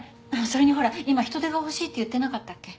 それにほら今人手が欲しいって言ってなかったっけ？